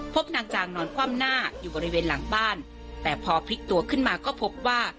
นางจางนอนคว่ำหน้าอยู่บริเวณหลังบ้านแต่พอพลิกตัวขึ้นมาก็พบว่า